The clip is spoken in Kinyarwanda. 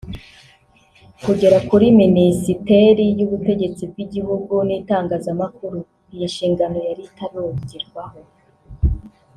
kugera kuri Minisiteri y’Ubutegetsi bw’Igihugu n’Itangazamakuru (iyi nshingano yari itarongerwaho)